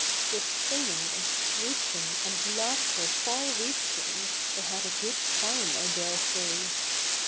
With singing and screeching, And laughter far reaching, They had a good time, I daresay.